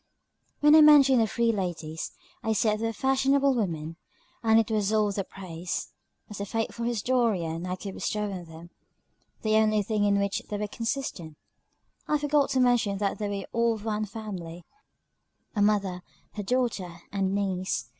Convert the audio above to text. When I mentioned the three ladies, I said they were fashionable women; and it was all the praise, as a faithful historian, I could bestow on them; the only thing in which they were consistent. I forgot to mention that they were all of one family, a mother, her daughter, and niece.